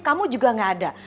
kamu juga gak ada